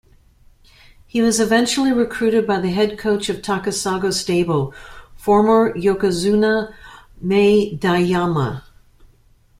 He was eventually recruited by the head coach of Takasago stable, former "yokozuna" Maedayama.